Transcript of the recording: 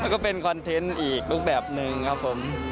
แล้วก็เป็นคอนเทนต์อีกรูปแบบหนึ่งครับผม